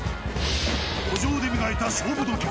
路上で磨いた勝負度胸。